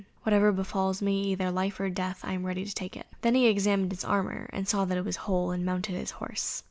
Whatever befalls me, either for life or death, I am ready to take it." Then he examined his armour, and saw that it was whole, and mounted his horse.